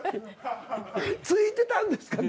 着いてたんですか？